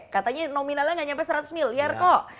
katanya nominalnya nggak sampai seratus miliar kok